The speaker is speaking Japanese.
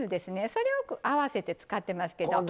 それを合わせて使ってますけども。